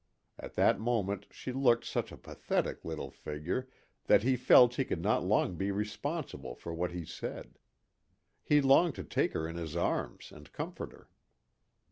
At that moment she looked such a pathetic little figure that he felt he could not long be responsible for what he said. He longed to take her in his arms and comfort her.